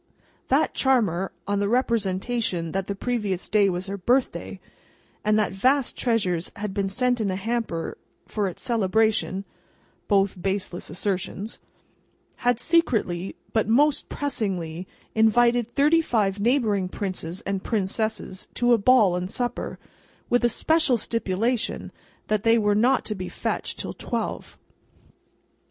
That charmer, on the representation that the previous day was her birthday, and that vast treasures had been sent in a hamper for its celebration (both baseless assertions), had secretly but most pressingly invited thirty five neighbouring princes and princesses to a ball and supper: with a special stipulation that they were "not to be fetched till twelve."